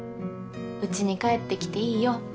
うちに帰ってきていいよ。